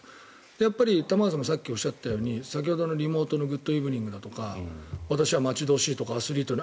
やっぱり玉川さんも先ほどおっしゃっちゃたように先ほどのリモートのグッド・イブニングだとか私は待ち遠しいとかアスリートとか。